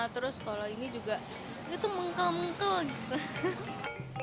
terus kalau ini juga itu mengkel mengkel gitu